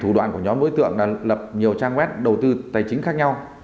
thủ đoạn của nhóm đối tượng là lập nhiều trang web đầu tư tài chính khác nhau